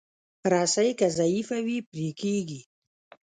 رسۍ که ضعیفه وي، پرې کېږي.